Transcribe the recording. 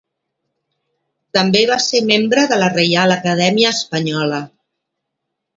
També va ser membre de la Reial Acadèmia Espanyola.